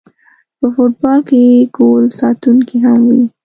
په فوټبال کې ګول ساتونکی هم وي